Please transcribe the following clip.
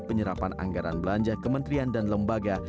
penyerapan anggaran belanja kementerian dan lembaga